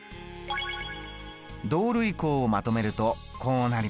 同類項をまとめるとこうなります。